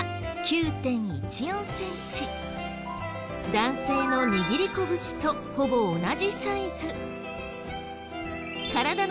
男性の握り拳とほぼ同じサイズ。